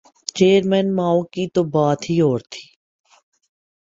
Chairman Mao کی تو بات ہی اور تھی۔